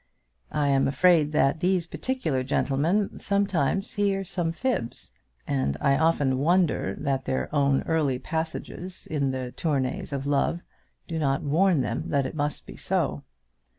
I am afraid that these particular gentlemen sometimes hear some fibs; and I often wonder that their own early passages in the tournays of love do not warn them that it must be so.